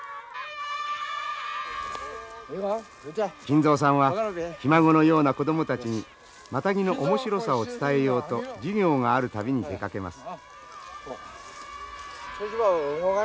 金蔵さんはひ孫のような子供たちにマタギの面白さを伝えようと授業がある度に出かけます。